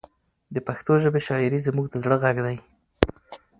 د پښتو ژبې شاعري زموږ د زړه غږ دی.